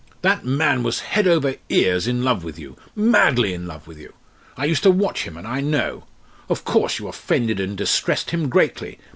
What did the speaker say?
That man was head over ears in love with you, madly in love with you. I used to watch him, and I know. Of course you offended and distressed him greatly.